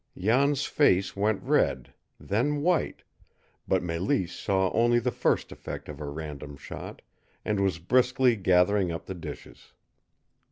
Jan's face went red, then white, but Mélisse saw only the first effect of her random shot, and was briskly gathering up the dishes.